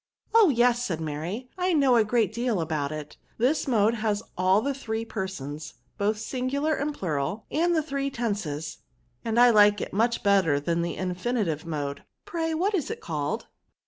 Oh i yes," said Maiy ;I know a great deal about it ; this mode has all the three persons, both singular and plural, and the three tenses ; and I like it much better than the infinitive mode ; pray what is it called?"